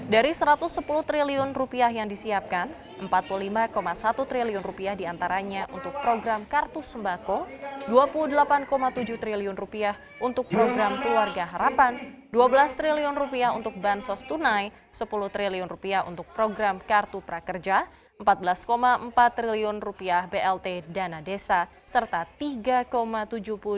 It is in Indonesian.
dari rp satu ratus sepuluh triliun yang disiapkan rp empat puluh lima satu triliun diantaranya untuk program kartu sembako rp dua puluh delapan tujuh triliun untuk program keluarga harapan rp dua belas triliun untuk bansos tunai rp sepuluh triliun untuk program kartu prakerja rp empat belas empat triliun blt dana desa dan rp lima belas empat triliun untuk program perubatan